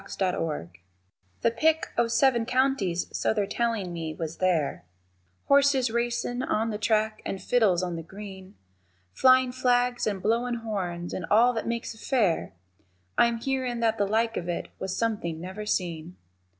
_ THE FAIR The pick o' seven counties, so they're tellin' me, was there, Horses racin' on the track, and fiddles on the green, Flyin' flags and blowin' horns and all that makes a fair, I'm hearin' that the like of it was something never seen.